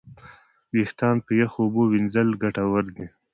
وېښتيان په یخو اوبو وینځل ګټور دي.